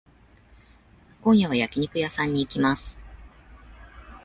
今夜は焼肉屋さんに行きます。